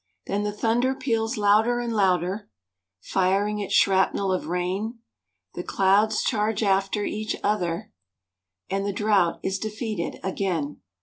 Then the thunder peals louder and louder, Firing its shrapnel of rain. The clouds charge after each other, And the drouth is defeated again.